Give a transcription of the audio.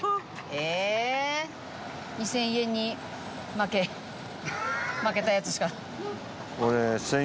２０００円に負け負けたやつしか。